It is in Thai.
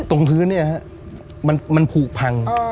ตรงพื้นเนี่ยฮะมันผูกพัง